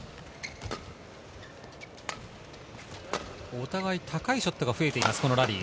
お互い高いショットが増えています、このラリー。